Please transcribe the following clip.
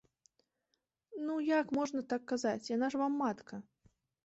Ну, як можна так казаць, яна ж вам матка.